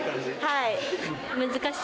はい。